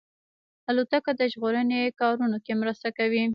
الوتکه د ژغورنې کارونو کې مرسته کوي.